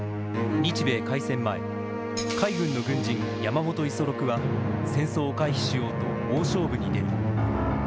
日米開戦前、海軍の軍人、山本五十六は戦争を回避しようと大勝負に出る。